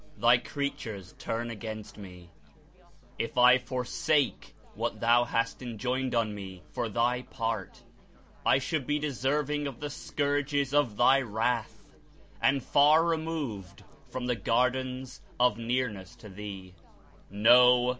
Thy creatures turn against me; if I forsake what Thou hast enjoined on me for Thy part, I should be deserving of the scourges of Thy wrath, and far removed from the gardens of Nearness to Thee. No